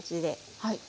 はい。